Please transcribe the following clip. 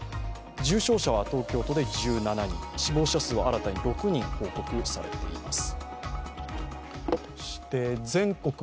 重症者は東京都で１７人、死亡者は新たに６人報告されています。